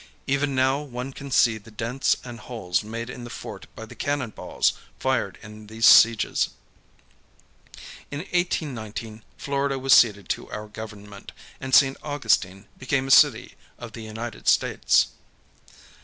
Even now one can see the dents and holes made in the fort by the cannon balls fired in these sieges. In 1819 Florida was ceded to our Government, and St. Augustine became a city of the United States.